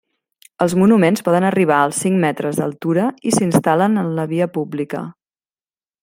Els monuments poden arribar als cinc metres d'altura i s'instal·len en la via pública.